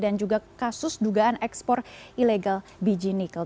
dan juga kasus dugaan ekspor ilegal biji nikel